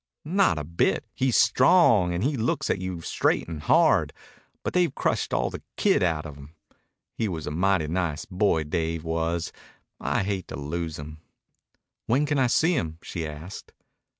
"Not a bit. He's strong, and he looks at you straight and hard. But they've crushed all the kid outa him. He was a mighty nice boy, Dave was. I hate to lose him." "When can I see him?" she asked.